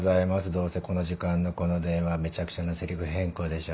どうせこの時間のこの電話はめちゃくちゃなせりふ変更でしょ？